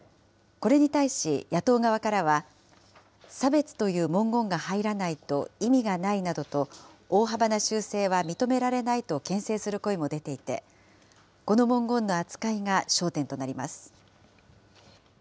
これに対し、野党側からは、差別という文言が入らないと意味がないなどと、大幅な修正は認められないとけん制する声も出ていて、この文言の扱いが焦点となります。